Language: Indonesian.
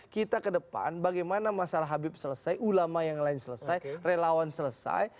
kita ke depan bagaimana masalah habib selesai ulama yang lain selesai relawan selesai